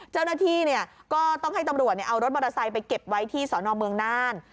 เจ้าหน้าที่ก็ต้องให้ตำรวจเอารถมอเตอร์ไซค์ไปเก็บไว้ที่สอนอเมืองน่าน